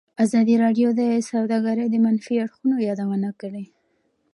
ازادي راډیو د سوداګري د منفي اړخونو یادونه کړې.